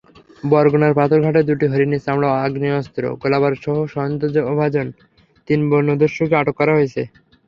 বরগুনার পাথরঘাটায় দুটি হরিণের চামড়া, আগ্নেয়াস্ত্র, গোলাবারুদসহ সন্দেহভাজন তিন বনদস্যুকে আটক করা হয়েছে।